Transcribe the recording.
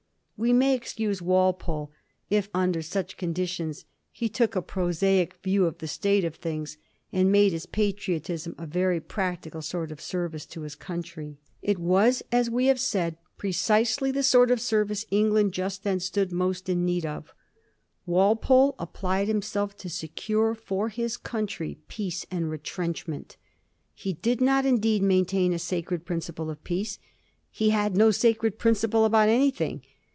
We may excuse Walpole if, under such conditions, he took a prosaic view of the state of things, and made his patriotism a very practical sort of service to his country. It was, as we have said, precisely the sort of service England just then stood most in need o£ Walpole applied himself to secure for his country peace and retrenchment. He did not, indeed, main tain a sacred principle of peace : he had no sacred principle about anything.